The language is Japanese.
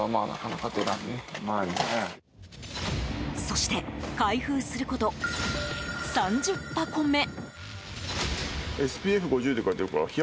そして開封すること、３０箱目。